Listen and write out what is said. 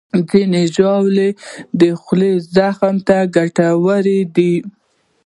ځینې ژاولې د خولې زخم ته ګټورې دي.